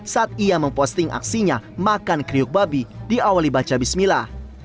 saat ia memposting aksinya makan kriuk babi di awali baca bismillah